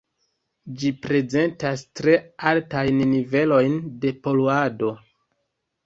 Ĝi prezentas tre altajn nivelojn de poluado.